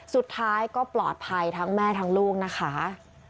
สุดท้ายก็ปลอดภัยทั้งแม่ทั้งลูกนะคะ